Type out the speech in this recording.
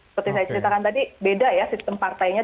seperti saya ceritakan tadi beda ya sistem partainya